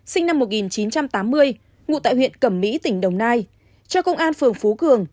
sinh năm một nghìn chín trăm tám mươi ngụ tại huyện cẩm mỹ tỉnh đồng nai cho công an phường phú cường